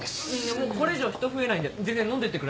もうこれ以上人増えないんで全然飲んでってください。